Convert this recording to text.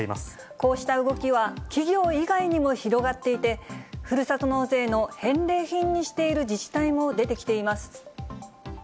こうした動きは企業以外にも広がっていて、ふるさと納税の返礼品にしている自治体も出てきています。